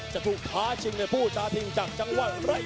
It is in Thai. จะถูกค้าชิงในภูตาทีมจากจังหวัดไร้ยอม